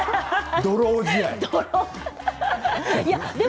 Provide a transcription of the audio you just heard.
ドロー試合。